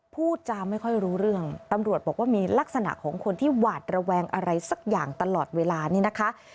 พูดจาไม่ค่อยรู้เรื่องตำรวจบอกว่ามีลักษณะของคนที่หวาดระแวงอะไรสักอย่างตลอดเวลานี่นะคะ